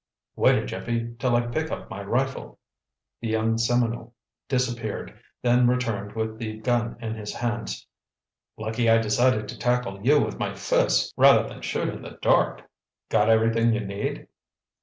"Wait a jiffy, till I pick up my rifle—" The young Seminole disappeared, then returned with the gun in his hands. "Lucky I decided to tackle you with my fists rather than shoot in the dark! Got everything you need?"